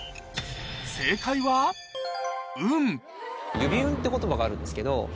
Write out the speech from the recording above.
指運って言葉があるんですけど。